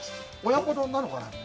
親子丼なのかなと。